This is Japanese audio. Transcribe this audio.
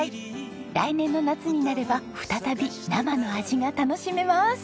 来年の夏になれば再び生の味が楽しめます！